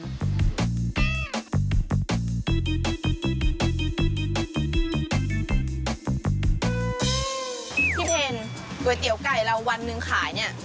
พี่เพนก๋วยเตี๋ยวไก่เราวันหนึ่งขายเนี่ย